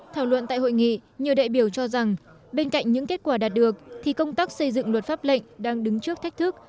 thảo luận tại hội nghị nhiều đại biểu cho rằng bên cạnh những kết quả đạt được thì công tác xây dựng luật pháp lệnh đang đứng trước thách thức